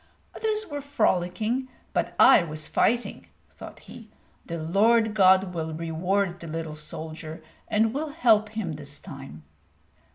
"Others were frolicking, but I was fighting," thought he. "The Lord God will reward the little soldier, and will help him this time."